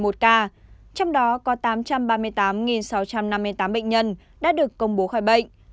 trong đó có tám trăm ba mươi tám sáu trăm năm mươi tám bệnh nhân đã được công bố khỏi bệnh